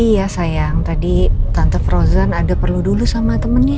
iya sayang tadi tante frozen ada perlu dulu sama temennya